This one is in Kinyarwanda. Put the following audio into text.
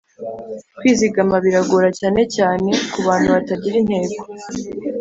kwizigama biragora cyane cyane ku bantu batagira intego